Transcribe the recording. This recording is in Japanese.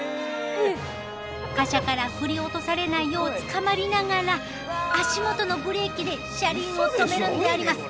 貨車から振り落とされないようつかまりながら足元のブレーキで車輪を止めるんであります。